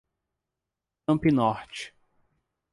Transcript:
Campinorte